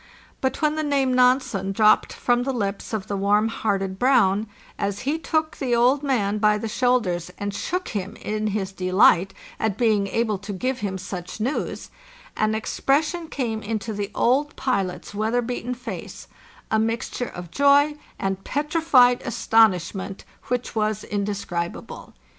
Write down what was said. But when the name Nansen dropped from the lips of the warm hearted Brown, as he took the old man by the shoulders and shook him in his delight at being able to give him such news, an expres sion came into the old pilot's weather beaten face, a mixt ure of joy and petrified astonishment, which was inde scribable.